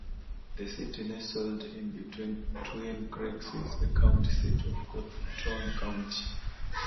The city, nestled in between twin creeks, is the county seat of Cotton County.